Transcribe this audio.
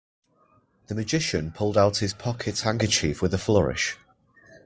The magician pulled out his pocket handkerchief with a flourish.